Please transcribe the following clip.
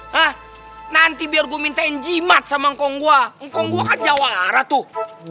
hah nanti biar gue minta jimat sama ngkong gue ngkong gue kan jawara tuh